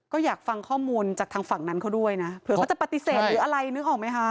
ก็อยากฟังข้อมูลจากทางฝั่งนั้นเขาด้วยนะเผื่อเขาจะปฏิเสธหรืออะไรนึกออกไหมคะ